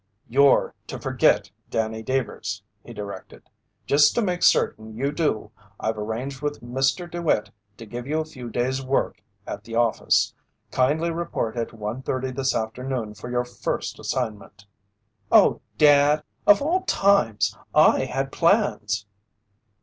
"You're to forget Danny Deevers," he directed. "Just to make certain you do, I've arranged with Mr. DeWitt to give you a few days' work at the office. Kindly report at one thirty this afternoon for your first assignment." "Oh, Dad! Of all times I had plans!"